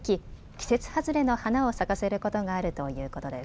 季節外れの花を咲かせることがあるということです。